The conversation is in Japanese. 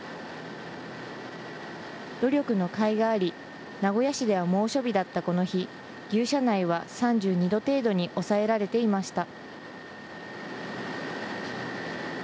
努力のかいがあり、名古屋市では猛暑日だったこの日、牛舎内は３２度程度に抑えられていました。